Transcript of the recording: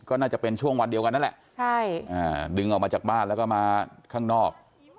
ก็น่าจะเป็นช่วงวันเดียวกันนั่นแหละดึงออกมาจากบ้านแล้วก็มาข้างนอก